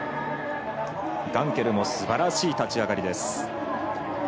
ガンケルのすばらしい立ち上がりです。